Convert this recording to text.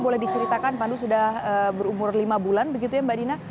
boleh diceritakan pandu sudah berumur lima bulan begitu ya mbak dina